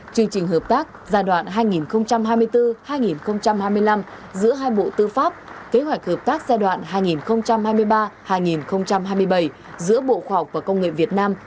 chương trình hợp tác giai đoạn hai nghìn hai mươi bốn hai nghìn hai mươi năm giữa hai bộ tư pháp kế hoạch hợp tác giai đoạn hai nghìn hai mươi ba hai nghìn hai mươi bảy giữa bộ khoa học và công nghệ việt nam